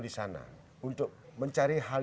di sana untuk mencari hal